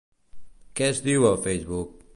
Què es diu a Facebook?